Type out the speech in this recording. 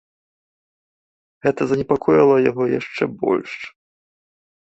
Гэта занепакоіла яго яшчэ больш.